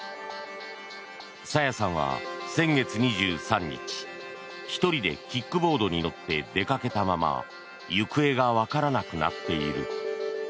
朝芽さんは先月２３日１人でキックボードに乗って出かけたまま行方がわからなくなっている。